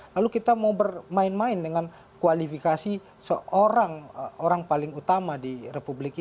lalu kita mau bermain main dengan kualifikasi seorang orang paling utama di republik ini